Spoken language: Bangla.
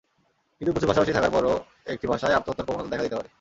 কিন্তু প্রচুর ভাষাভাষী থাকার পরও একটি ভাষায় আত্মহত্যার প্রবণতা দেখা দিতে পারে।